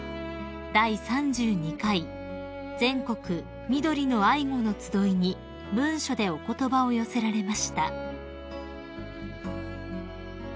第３２回全国「みどりの愛護」のつどいに文書でお言葉を寄せられました］